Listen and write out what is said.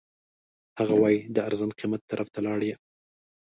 هغه وایي د ارزان قیمت طرف ته لاړ یم.